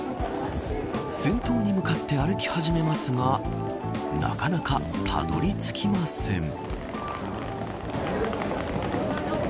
先頭に向かって歩き始めますがなかなか、たどり着きません。